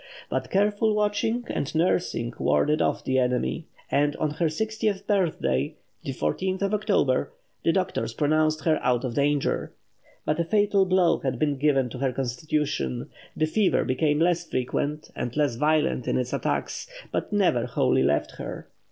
But careful watching and nursing warded off the enemy; and on her sixtieth birthday, October 14th, the doctors pronounced her out of danger. But a fatal blow had been given to her constitution; the fever became less frequent and less violent in its attacks, but never wholly left her.